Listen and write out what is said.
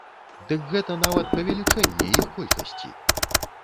Дык гэта нават павелічэнне іх колькасці!